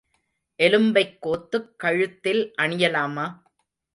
எலும்பைக் கோத்துக் கழுத்தில் அணியலாமா?